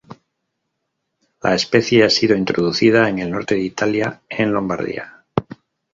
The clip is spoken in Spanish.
La especie ha sido introducida en el norte de Italia, en Lombardía.